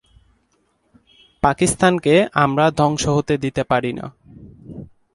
পাকিস্তানকে আমরা ধ্বংস হতে দিতে পারি না।